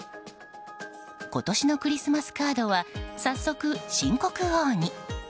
今年のクリスマスカードは早速、新国王に。